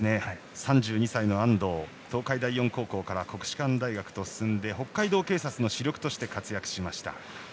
３２歳の安藤は東海大四高校から国士舘大学と進んで北海道警察の主力として活躍。